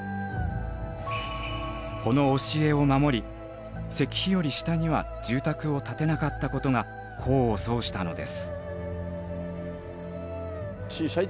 この教えを守り石碑より下には住宅を建てなかったことが功を奏したのです。